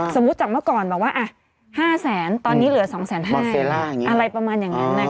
สมมุติจากเมื่อก่อนบอกว่า๕แสนตอนนี้เหลือ๒๕๐๐อะไรประมาณอย่างนั้นนะคะ